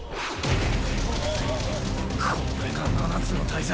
これが七つの大罪。